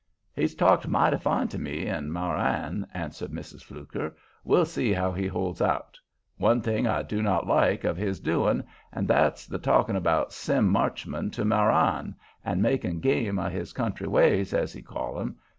"He's talked mighty fine to me and Marann," answered Mrs. Fluker. "We'll see how he holds out. One thing I do not like of his doin', an' that's the talkin' 'bout Sim Marchman to Marann, an' makin' game o' his country ways, as he call 'em.